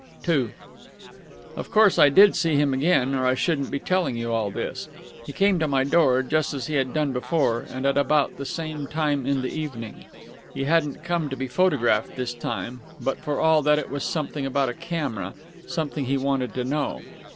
II Of course I did see him again, or I shouldn't be telling you all this. He came to my door, just as he had done before, and at about the same time in the evening. He hadn't come to be photographed this time, but for all that it was something about a camera something he wanted to know.